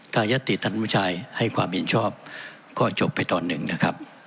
ถ้ายศติท่านสมชายให้ความอินชอบก็จบไปตอนนึงนะครับ